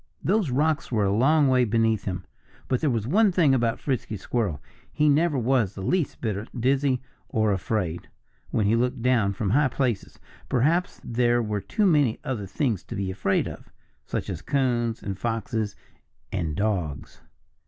Those rocks were a long way beneath him. But there was one thing about Frisky Squirrel he never was the least bit dizzy, or afraid, when he looked down from high places. Perhaps there were too many other things to be afraid of such as coons and foxes and dogs.